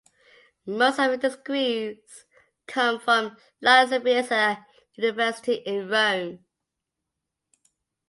Most of his degrees come from La Sapienza University in Rome.